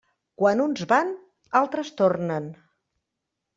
Quan uns van, altres tornen.